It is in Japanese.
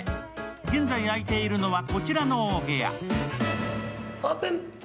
現在空いているのは、こちらのお部屋。